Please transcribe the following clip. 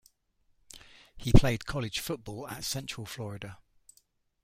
He played college football at Central Florida.